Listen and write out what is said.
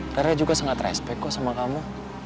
karena juga sangat respect kok sama kamu